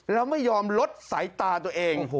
แล้วไม่ยอมลดสายตาตัวเอง